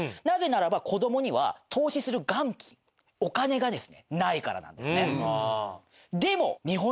なぜならば子どもには投資する元金お金がですねないからなんですね。